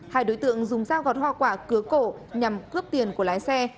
hai đối tượng dùng dao gọt hoa quả cứa cổ nhằm cướp tiền của lái xe